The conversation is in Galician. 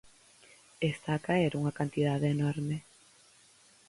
Está a caer unha cantidade enorme.